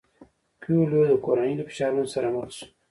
کویلیو د کورنۍ له فشارونو سره مخ شو.